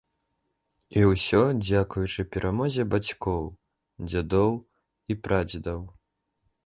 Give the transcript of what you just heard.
І ўсё дзякуючы перамозе бацькоў, дзядоў і прадзедаў.